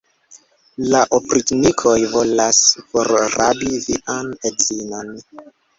La opriĉnikoj volas forrabi vian edzinon!